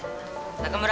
中村！